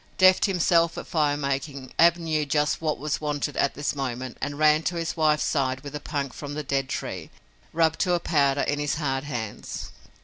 Deft himself at fire making, Ab knew just what was wanted at this moment and ran to his wife's side with punk from the dead tree, rubbed to a powder in his hard hands.